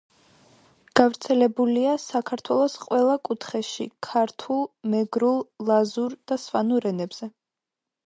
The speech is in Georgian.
გავრცელებულია საქართველოს ყველა კუთხეში ქართულ, მეგრულ, ლაზურ და სვანურ ენებზე.